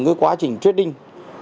cái quá trình trading